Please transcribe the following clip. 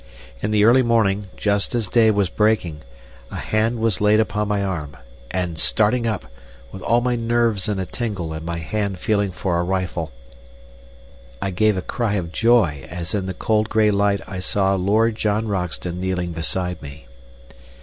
In the early morning, just as day was breaking, a hand was laid upon my arm, and starting up, with all my nerves in a tingle and my hand feeling for a rifle, I gave a cry of joy as in the cold gray light I saw Lord John Roxton kneeling beside me.